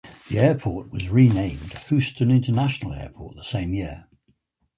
The airport was renamed Houston International Airport the same year.